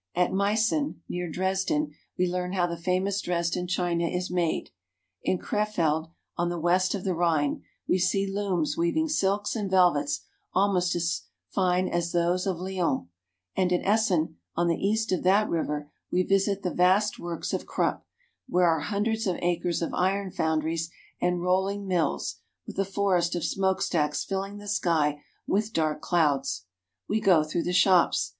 At Meissen, near Dresden, we learn how the famous Dresden china is made ; in Krefeld, on the west of the Rhine, we see looms weaving silks and velvets almost as fine as those of Lyons; and at Essen, on the east of that river, we visit the vast works of Krupp, where are hundreds of acres of iron foundries and rolling mills, with a forest of smokestacks filling the sky with dark clouds. We go through the shops.